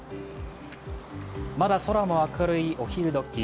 まだ空も明るいお昼どき。